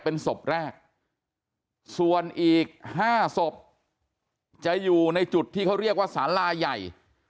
เป็นศพแรกส่วนอีก๕ศพจะอยู่ในจุดที่เขาเรียกว่าสาลาใหญ่